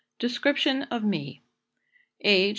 ] "DESCRIPTION OF ME. _Age.